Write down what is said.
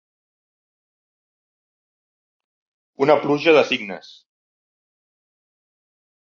Una pluja de signes.